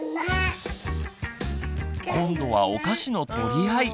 今度はお菓子の取り合い。